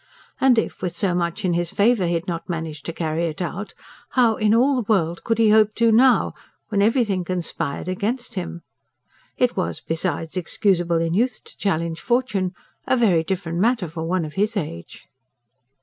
And if, with so much in his favour, he had not managed to carry it out, how in all the world could he hope to now, when every thing conspired against him. It was, besides, excusable in youth to challenge fortune; a very different matter for one of his age.